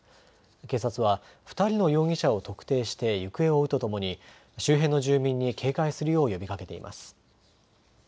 警察は２人の容疑者を特定して行方を追うとともに周辺の住民に警戒するよう呼びかけています。